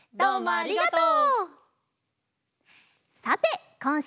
ありがとう。